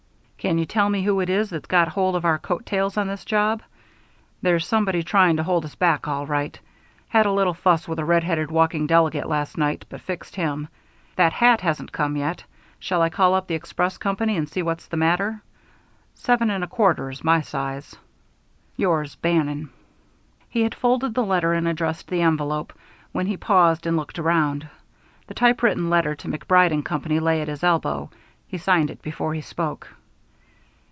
Can you tell me who it is that's got hold of our coat tails on this job? There's somebody trying to hold us back, all right. Had a little fuss with a red headed walking delegate last night, but fixed him. That hat hasn't come yet. Shall I call up the express company and see what's the matter? 7 1/4 is my size. Yours, BANNON. He had folded the letter and addressed the envelope, when he paused and looked around. The typewritten letter to MacBride & Company lay at his elbow. He signed it before he spoke.